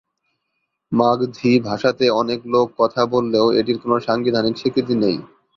মাগধী ভাষাতে অনেক লোক কথা বললেও এটির কোন সাংবিধানিক স্বীকৃতি নেই।